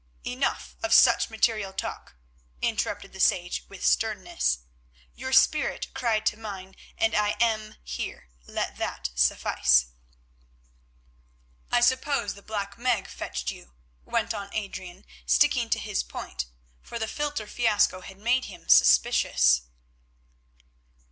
"Enough of such material talk," interrupted the sage with sternness. "Your spirit cried to mine, and I am here, let that suffice." "I suppose that Black Meg fetched you," went on Adrian, sticking to his point, for the philtre fiasco had made him suspicious.